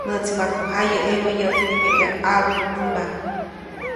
Näʼtsi maku jaye ʼemä, yäʼki nimeke ʼaʼwiŋnämba.